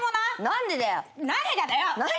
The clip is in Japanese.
何がだよ。